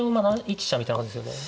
７一飛車みたいな感じですよね。